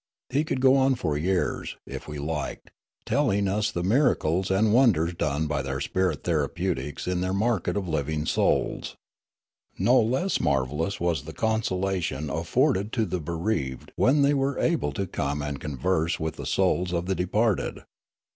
He could go on for years, if we liked, telling us the miracles and wonders done by their spirit therapeutics in their market of living souls. No less marvellous was the consolation ajGforded to the bereaved when they were able to come and converse with the souls of the de parted.